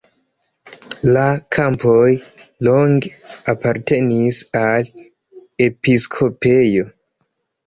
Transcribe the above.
La kampoj longe apartenis al episkopejo.